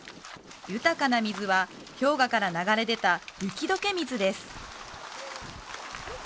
豊かな水は氷河から流れ出た雪解け水です